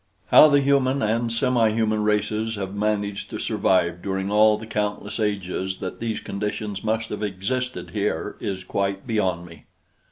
How the human and semihuman races have managed to survive during all the countless ages that these conditions must have existed here is quite beyond me.